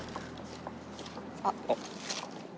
あっ。